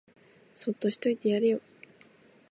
そっとしといてやれよ